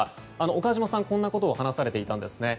岡島さんはこんなことを話されていたんですね。